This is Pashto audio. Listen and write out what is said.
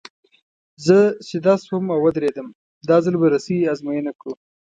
زه سیده شوم او ودرېدم، دا ځل به رسۍ ازموینه کړو.